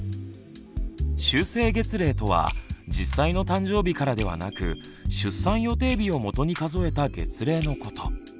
修正月齢とは実際の誕生日からではなく出産予定日をもとに数えた月齢のこと。